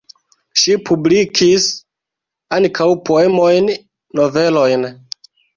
Ŝi publikis ankaŭ poemojn, novelojn.